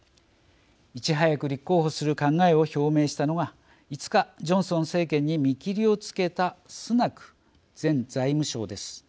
いち早く立候補する考えを表明したのが５日ジョンソン政権に見切りをつけたスナク前財務相です。